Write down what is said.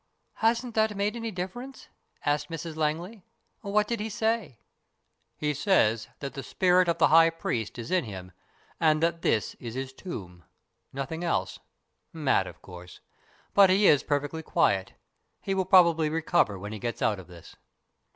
" Hasn't that made any difference ?" asked Mrs Langley. " What did he say ?"" He says that the spirit of the high priest is in him, and that this is his tomb. Nothing else. Mad, of course. But he is perfectly quiet. He will probably recover when he gets out of this."